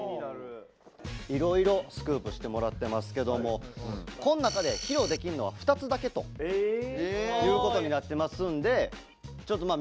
いろいろスクープしてもらってますけどもこん中で披露できるのは２つだけということになってますんでちょっとまあ